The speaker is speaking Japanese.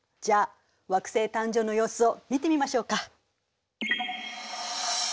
じゃあ惑星誕生の様子を見てみましょうか。